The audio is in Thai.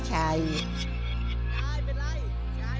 อุ้มยายขึ้นไปโรงพยาบาล